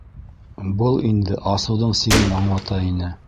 Был инде асыуҙың сиген аңлата ине.